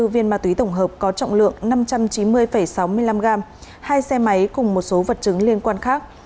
sáu ba trăm ba mươi bốn viên ma túy tổng hợp có trọng lượng năm trăm chín mươi sáu mươi năm gram hai xe máy cùng một số vật chứng liên quan khác